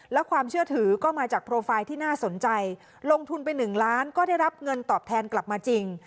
และความเชื่อถือก็มาจากโปรไฟล์ที่น่าสนใจลงทุนไป๑ล้านก็ได้รับเงินตอบแทนกลับมาจริง